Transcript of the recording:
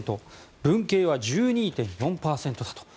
文系は１２．４％だと。